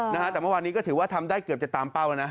นะฮะแต่เมื่อวานนี้ก็ถือว่าทำได้เกือบจะตามเป้าแล้วนะ